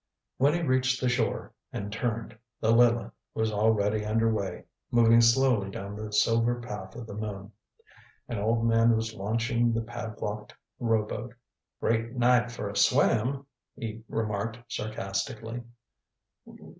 When he reached the shore, and turned, the Lileth was already under way, moving slowly down the silver path of the moon. An old man was launching the padlocked rowboat. "Great night for a swim," he remarked sarcastically.